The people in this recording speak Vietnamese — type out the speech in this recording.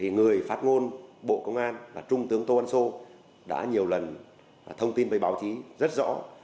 người phát ngôn bộ công an là trung tướng tô ân sô đã nhiều lần thông tin với báo chí rất rõ